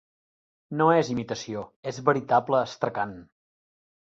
No és imitació: és veritable astracan.